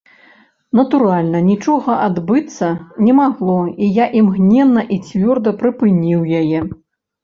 Натуральна, нічога адбыцца не магло, і я імгненна і цвёрда прыпыніў яе.